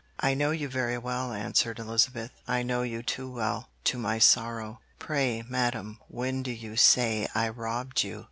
'I know you very well,' answered Elizabeth; 'I know you too well, to my sorrow.' 'Pray, madam, when do you say I robbed you?'